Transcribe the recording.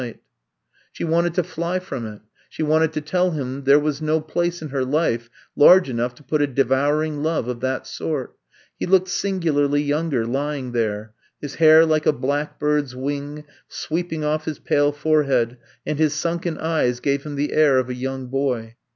152 I'VE COMB TO STAY She wanted to fly from it ; she wanted to tell him that there was no place in her life large enough to put a devouring love of that sort. He looked singularly younger lying there; his hair like a black bird's wing sweeping off his pale forehead and his sunken eyes gave him the air of a young boy.